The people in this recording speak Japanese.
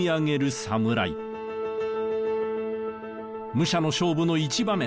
武者の勝負の一場面。